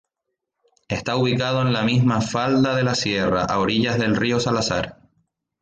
Está ubicado en la misma falda de la sierra, a orillas del río Salazar.